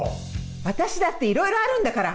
私だっていろいろあるんだから。